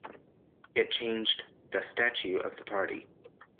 It changed the Statute of the party.